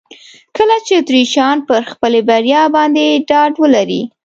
کله چې اتریشیان پر خپلې بریا باندې ډاډ ولري.